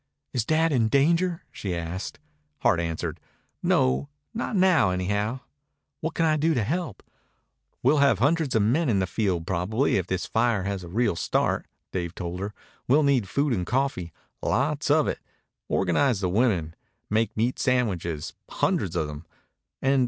"Is Dad in danger?" she asked. Hart answered. "No not now, anyhow." "What can I do to help?" "We'll have hundreds of men in the field probably, if this fire has a real start," Dave told her. "We'll need food and coffee lots of it. Organize the women. Make meat sandwiches hundreds of them.